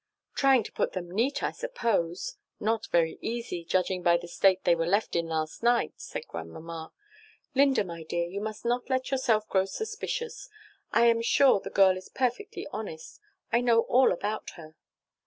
"Trying to put them neat, I suppose not very easy, judging by the state they were left in last night," said Grandmamma. "Linda, my dear, you must not let yourself grow suspicious. I am sure the girl is perfectly honest. I know all about her."